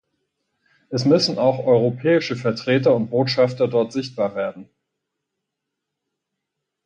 Es müssen auch europäische Vertreter und Botschafter dort sichtbar werden.